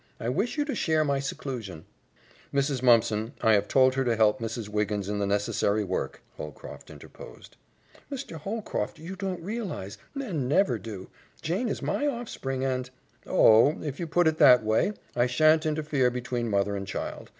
I wish you to share my seclusion." "Mrs. Mumpson, I have told her to help Mrs. Wiggins in the necessary work," Holcroft interposed. "Mr. Holcroft, you don't realize men never do Jane is my offspring, and " "Oh, if you put it that way, I shan't interfere between mother and child.